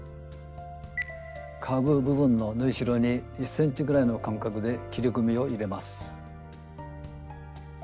カーブ部分の縫いしろに１ｃｍぐらいの間隔で切り込みを入れます。